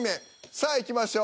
さあいきましょう。